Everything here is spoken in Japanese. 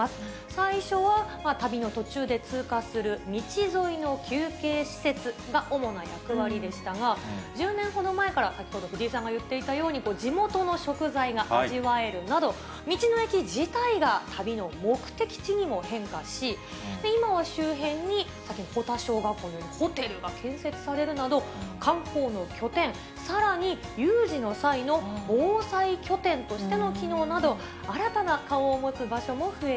最初は旅の途中で通過する道沿いの休憩施設が主な役割でしたが、１０年ほど前から、藤井さんが言っていたように、地元の食材が味わえるなど、道の駅自体が旅の目的地にも変化し、今は周辺に、さっきの保田小学校のように、ホテルが建設されるなど、観光の拠点、さらに有事の際の防災拠点としての機能など、新たな顔を持つ場所